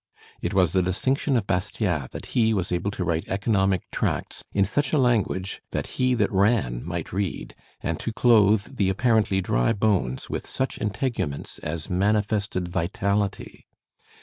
It was the distinction of Bastiat that he was able to write economic tracts in such a language that he that ran might read, and to clothe the apparently dry bones with such integuments as manifested vitality.